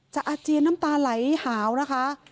อาเจียนน้ำตาไหลหาวนะคะ